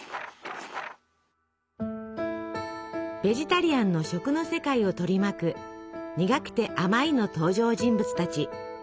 ベジタリアンの食の世界を取り巻く「にがくてあまい」の登場人物たち。